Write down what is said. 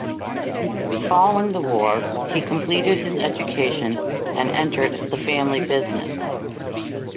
Following the war, he completed his education and entered the family business.